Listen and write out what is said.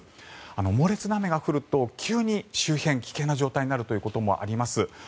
猛烈な雨が降ると急に周辺が危険な状態になることがあります。